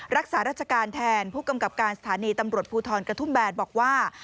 รักษาราชการแทนผู้กำกับการสถานีตำรวจภูทรกระทุ่มแบนบอกว่า